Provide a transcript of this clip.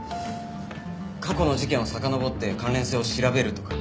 過去の事件をさかのぼって関連性を調べるとか。